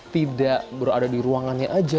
tidak berada di ruangannya aja